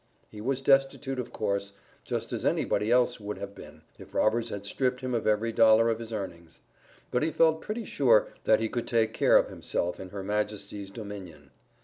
He was destitute, of course, just as anybody else would have been, if robbers had stripped him of every dollar of his earnings; but he felt pretty sure, that he could take care of himself in her Majesty's dominion.